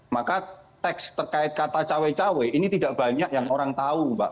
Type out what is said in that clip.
maka teks terkait kata cawe cawe ini tidak banyak yang orang tahu mbak